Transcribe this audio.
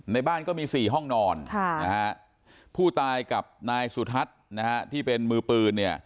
ในบ้านก็มี๔ห้องนอนผู้ตายกับนายสุทัศน์นะฮะที่เป็นมือปืนเนี่ย